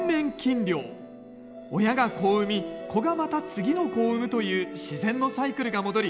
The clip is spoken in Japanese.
親が子を産み子がまた次の子を産むという自然のサイクルが戻り